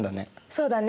そうだね。